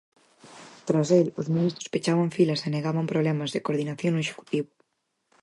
Tras el, os ministros pechaban filas e negaban problemas de coordinación no Executivo.